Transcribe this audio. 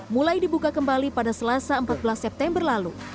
mulai dibuka kembali pada selasa empat belas september lalu